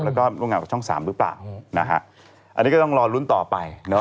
แล้วก็ร่วมงานกับช่อง๓หรือเปล่าอันนี้ก็ต้องรอรุ้นต่อไป